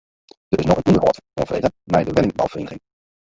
Der is no in ûnderhâld oanfrege mei de wenningbouferieniging.